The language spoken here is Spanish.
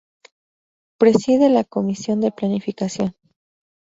Preside la Comisión de Planificación.